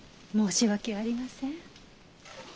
申し訳ありません。